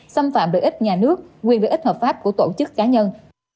xâm phạm lợi ích nhà nước quyền lợi ích hợp pháp của tổ chức cá nhân